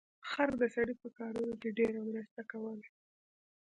خر د سړي په کارونو کې ډیره مرسته کوله.